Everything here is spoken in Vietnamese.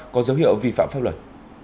có dấu hiệu vi phạm pháp luật